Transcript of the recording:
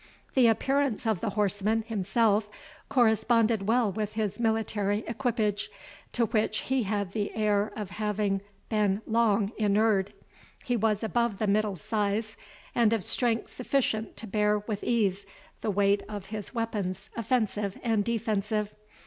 The appearance of the horseman himself corresponded well with his military equipage, to which he had the air of having been long inured. He was above the middle size, and of strength sufficient to bear with ease the weight of his weapons, offensive and defensive.